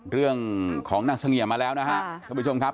เรื่องของนักสังเกียร์มาแล้วนะฮะคุณผู้ชมครับ